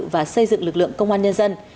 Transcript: và xây dựng lực lượng công an nhân dân